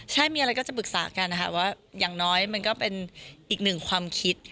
ใช่มีอะไรก็จะปรึกษากันนะคะว่าอย่างน้อยมันก็เป็นอีกหนึ่งความคิด